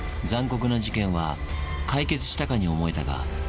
残酷な事件は解決したかに思えたが。